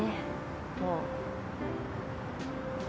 もう。